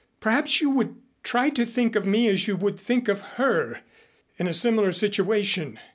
Perhaps you would try to think of me as you would think of her in a similar situation.